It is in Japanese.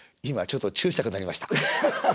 今ちょっとチューしたくなりました。